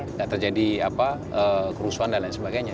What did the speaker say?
tidak terjadi kerusuhan dan lain sebagainya